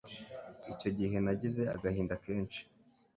Icyo gihe nagize agahinda kenshi